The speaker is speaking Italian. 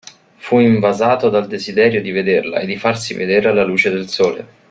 Fu invasato dal desiderio di vederla e di farsi vedere alla luce del sole.